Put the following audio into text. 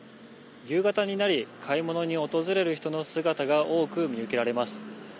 夕方になり、買い物に訪れる人の姿が多く見受けられます。